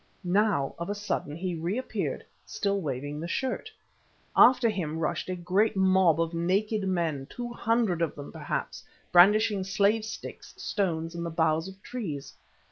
Now of a sudden he reappeared still waving the shirt. After him rushed a great mob of naked men, two hundred of them perhaps, brandishing slave sticks, stones and the boughs of trees.